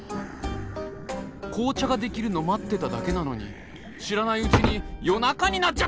紅茶ができるの待ってただけなのに知らないうちに夜中になっちゃった！